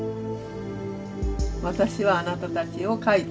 私はあなたたちを書いたと。